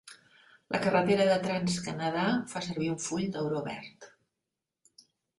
La carretera de Trans Canadà fa servir un full d'auró verd.